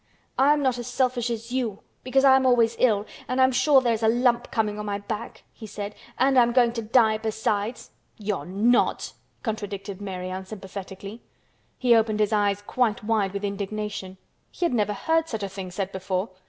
"I'm not as selfish as you, because I'm always ill, and I'm sure there is a lump coming on my back," he said. "And I am going to die besides." "You're not!" contradicted Mary unsympathetically. He opened his eyes quite wide with indignation. He had never heard such a thing said before.